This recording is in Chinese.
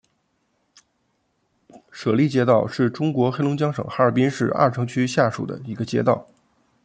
舍利街道是中国黑龙江省哈尔滨市阿城区下辖的一个街道。